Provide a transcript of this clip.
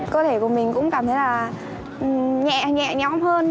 cơ thể của mình cũng cảm thấy là nhẹ nhẹ nhõm hơn